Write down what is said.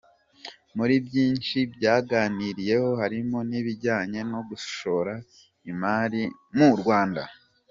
Muri byinshi byaganiriweho harimo n’ibijyanye no gushora imari mu Rwanda.